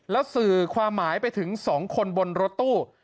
แล้วสื่อความหมายไปถึง๒คนบนรถตู้